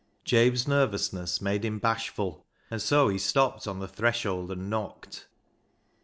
Jabe's nervousness made him bashful, and so he stopped on the threshold and knocked.